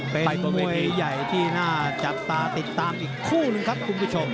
เป็นประเพณีใหญ่ที่น่าจับตาติดตามอีกคู่หนึ่งครับคุณผู้ชม